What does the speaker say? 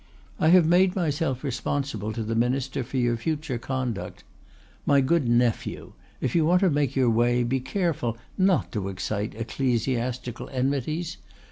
I have made myself responsible to the minister for your future conduct. My good nephew, if you want to make your way be careful not to excite ecclesiastical enmities.